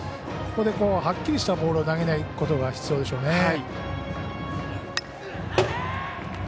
ここで、はっきりしたボールを投げないことが必要でしょうね。